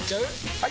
・はい！